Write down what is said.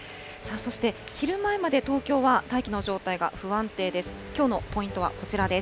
そして昼前まで東京は大気の状態が不安定です。